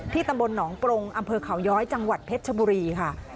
ตำบลหนองปรงอำเภอเขาย้อยจังหวัดเพชรชบุรีค่ะ